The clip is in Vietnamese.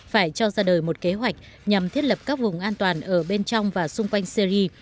phải cho ra đời một kế hoạch nhằm thiết lập các vùng an toàn ở bên trong và xung quanh syri